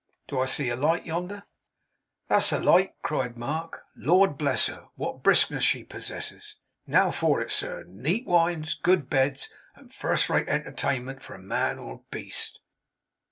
Do I see the light yonder?' 'That's the light!' cried Mark. 'Lord bless her, what briskness she possesses! Now for it, sir. Neat wines, good beds, and first rate entertainment for man or beast.